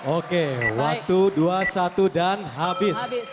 oke waktu dua puluh satu dan habis